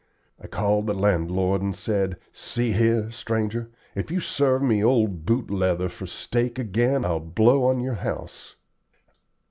I called the landlord, and said, 'See here, stranger, if you serve me old boot leather for steak again I'll blow on your house.'